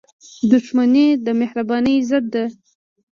• دښمني د مهربانۍ ضد ده.